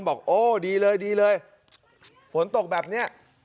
บอกโอ้ดีเลยดีเลยฝนตกแบบนี้